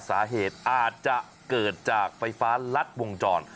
สาเหตุอาจจะเกิดจากไฟฟ้ารัดวงจร